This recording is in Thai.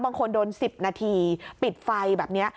บางคนโดน๑๐นาทีปิดไฟแบบนี้